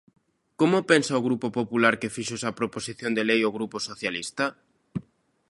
¿Como pensa o Grupo Popular que fixo esa proposición de lei o Grupo Socialista?